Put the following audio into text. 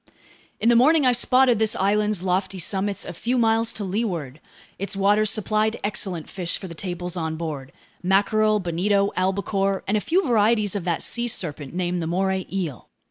In the morning I spotted this island's lofty summits a few miles to leeward. Its waters supplied excellent fish for the tables on board: mackerel, bonito, albacore, and a few varieties of that sea serpent named the moray eel.